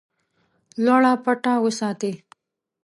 لوړه پټه وساتي.